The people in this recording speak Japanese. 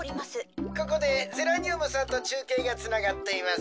ここでゼラニュームさんとちゅうけいがつながっています。